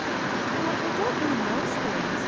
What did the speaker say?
" Oh, I don't mean those things.